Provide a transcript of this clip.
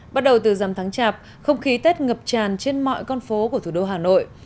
bắt đầu từ dầm tháng chạp không khí tết ngập tràn trên mọi con phố của thủ đô hà nội